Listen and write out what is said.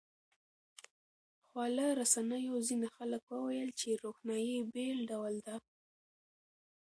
خواله رسنیو ځینې خلک وویل چې روښنايي بېل ډول ده.